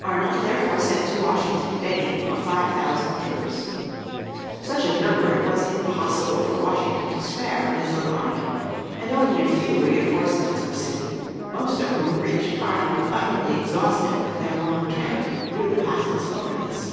Arnold therefore sent to Washington begging for five thousand troops. Such a number it was impossible for Washington to spare from his little army, and only a few reinforcements were sent, most of whom reached Arnold utterly exhausted with their long tramp through the pathless wilderness.